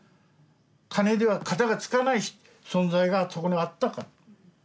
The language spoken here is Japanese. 金では片がつかない存在がそこにはあったから。